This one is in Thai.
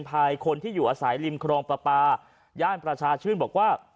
ภายคนที่อยู่อาศัยริมครองปลาปลาย่านประชาชื่นบอกว่า